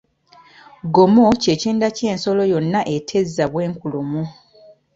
Gomo kye kyenda ky’ensolo yonna etezza bw’enkulumu.